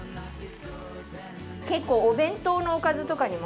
結構お弁当のおかずとかにも。